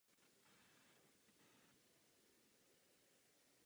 Učil na Stockholmské univerzitě.